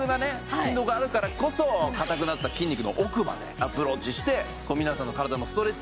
振動があるからこそ硬くなった筋肉の奥までアプローチして皆さんの体のストレッチっていうのを